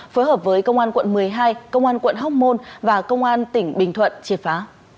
phối hợp với công an quận một mươi hai công an quận hóc môn và công an tỉnh bình thuận triệt phá